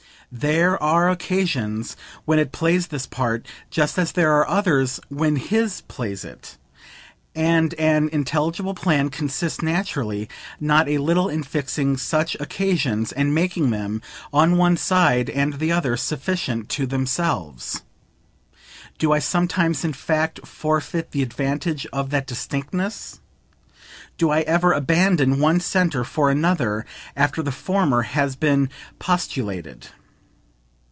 There are occasions when it plays this part, just as there are others when his plays it, and an intelligible plan consists naturally not a little in fixing such occasions and making them, on one side and the other, sufficient to themselves. Do I sometimes in fact forfeit the advantage of that distinctness? Do I ever abandon one centre for another after the former has been postulated?